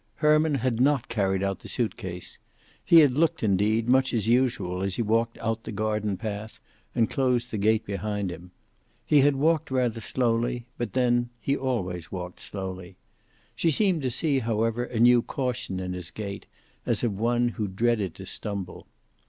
Herman had not carried out the suit case. He had looked, indeed, much as usual as he walked out the garden path and closed the gate behind him. He had walked rather slowly, but then he always walked slowly. She seemed to see, however, a new caution in his gait, as of one who dreaded to stumble.